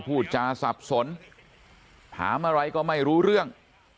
พูดจาสับสนถามอะไรก็ไม่รู้เรื่อง